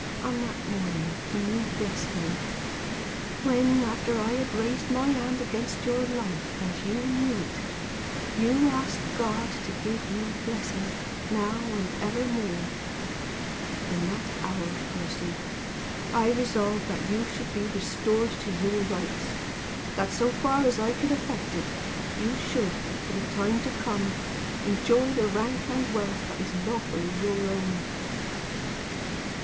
"On that morning when you blessed me when, after I had raised my hand against your life, and you knew it, you asked God to give me blessing, now and ever more in that hour, Percy, I resolved that you should be restored to your rights; that, so far as I could effect it, you should, for the time to come, enjoy the rank and wealth that is lawfully your own.